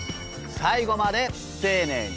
最後まで丁寧に。